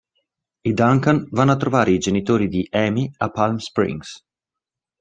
I Duncan vanno a trovare i genitori di Amy a Palm Springs.